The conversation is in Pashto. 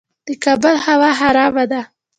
د کابل هوا خرابه ده